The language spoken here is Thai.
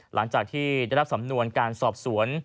หลังจากที่ได้รับสำนวนการสอบสวน